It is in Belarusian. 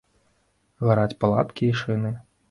Гараць палаткі і шыны.